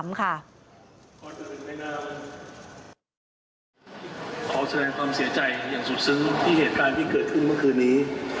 ขอแสดงความเสียใจอย่างสุดซึ้งที่เหตุการณ์ที่เกิดขึ้นเมื่อคืนนี้